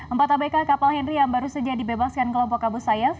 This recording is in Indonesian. empat abk kapal henry yang baru saja dibebaskan kelompok abu sayyaf